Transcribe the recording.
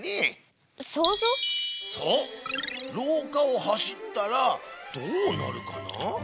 ろうかをはしったらどうなるかな？